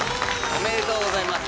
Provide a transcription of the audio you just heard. おめでとうございます。